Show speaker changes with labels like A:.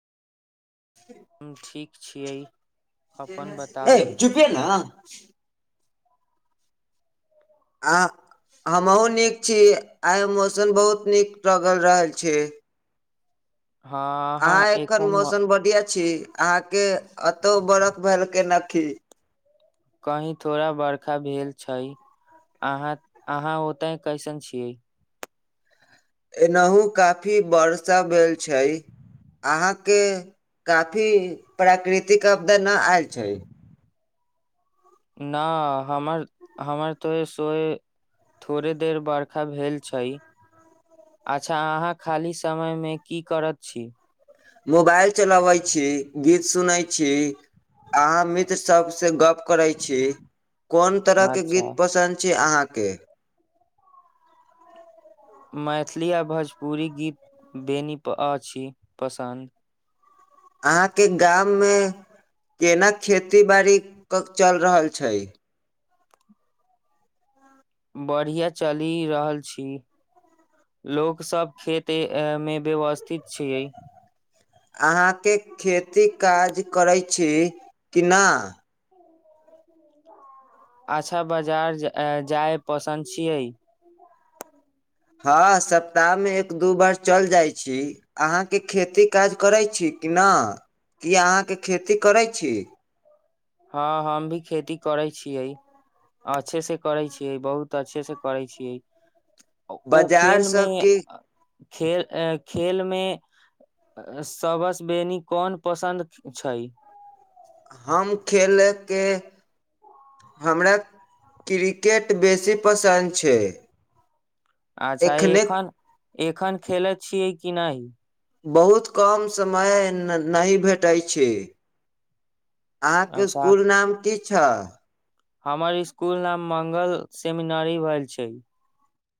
A: हम ठीक छियै अपन बतावल।
B: खुशी आ हमहूँ नीक छी आइ मौसम बहुत नीक लगल रहल छी।
A: हँ हँ
B: आह एखन
A: म-
B: मौसम बढ़ििया। अहाँके एतौ बरख भेलक नखी।
A: कही थोड़ा बर्खा भेल छै अहाँ अहाँ ओते कैसन छियै।
B: एनाहु काफी वर्षा भेल छै अहाँके काफी प्राकृतिक आपदा नहि आयल छै।
A: न हमर हमर तो सोय थोड़े देर बरखा भेल छै अच्छा अहाँ खाली समयमे की करत छी।
B: मोबाइल चलाबै छी गीत सुनैत छी अहाँ मित्र सबसँ गप। करै छी कोन तरहके
A: अच्छा
B: गीत पसन्द छी अहाँ। के।
A: मैथिली आ भोजपुरी गीत बेनीप अछि पसन्द।
B: अहाँके गाम मे केना खेती बाड़ी चलि रहल छै।
A: बढ़िआ चलि रहल छी लोकसभ खेत मे व्यवस्थित छियै।
B: अहाँके खेती काज करैत छी कि नहि।
A: अछा बाजार जाइ पसन्द छियै।
B: हँ सप्ताहमे एक दू बार चलि जाइ छी अहाँके खेती काज करै छी कि नहि क अहाँके खेती करै छी।
A: हँ हम भी खेती करै छियै अच्छे से करै छियै बहुत अच्छेसँ करै छियै। ओ खेलमे।
B: बाजारसँ कि
A: खेल खेलमे सबस बेनीी कोन पसन्द छै।
B: हम खेलके हमरा क्रिकेट बेसी पसन्द छै।
A: अच्छा
B: एखने
A: एखन। एखन खेल छियै कि नहि नहि।
B: बहुत कम समय नहि भेटैत छै। अहाँके
A: अच्छा
B: स्कुल नाम की। अचछा।
A: हमर इसकुल नाम मङ्गल सेमिनरी भेल छै।